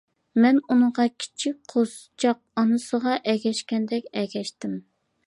مەن ئۇنىڭغا كىچىك قوزىچاق ئانىسىغا ئەگەشكەندەك ئەگەشتىم.